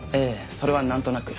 それはなんとなく。